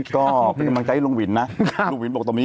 ก็เป็นตำรวจใจให้ลุงวินนะ